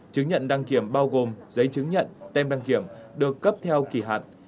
chứng nhận đăng kiểm bao gồm giấy chứng nhận tem đăng kiểm được cấp theo kỳ hạn